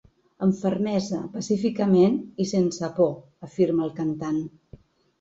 Amb fermesa, pacíficament, i sense por, afirma el cantant.